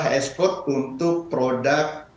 hs code untuk produk